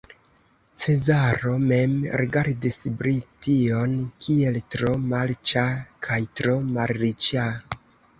Cezaro mem rigardis Brition kiel tro marĉa kaj tro malriĉa.